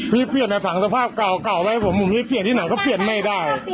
พี่เปลี่ยนอ่ะสั่งสภาพเก่าเก่าไว้ผมผมไม่ได้เปลี่ยนที่หนังก็เปลี่ยนไม่ได้